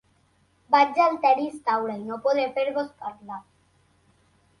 Vaig al tennis de taula i no podré fer-vos parlar.